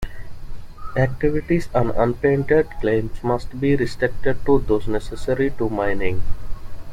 Activities on unpatented claims must be restricted to those necessary to mining.